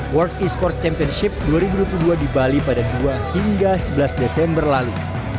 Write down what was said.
world e sports championship dua ribu dua puluh dua di bali pada dua hingga sebelas desember lalu